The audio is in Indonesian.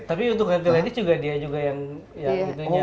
tapi untuk hand to ladies juga dia yang gitu